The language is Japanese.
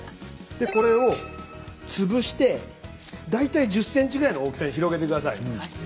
これを潰して大体１０ｃｍぐらいの大きさに広げて下さい。